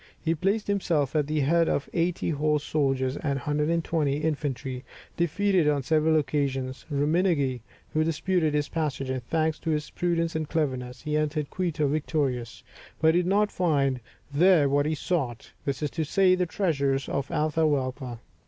He placed himself at the head of eighty horse soldiers and 120 infantry, defeated on several occasions Ruminagui, who disputed his passage, and thanks to his prudence and cleverness, he entered Quito victorious; but he did not find there what he sought, that is to say, the treasures of Atahualpa.